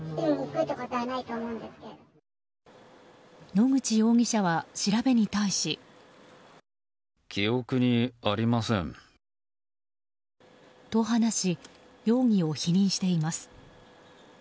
野口容疑者は調べに対し。と話し、容疑を否認しています。